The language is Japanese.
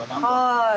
はい。